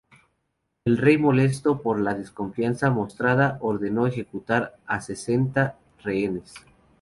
El rey, molesto por la desconfianza mostrada, ordenó ejecutar a sesenta rehenes.